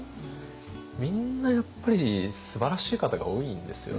みんなやっぱりすばらしい方が多いんですよね。